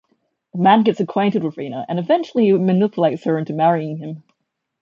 The man gets acquainted with Rina and eventually manipulates her into marrying him.